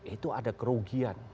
itu ada kerugian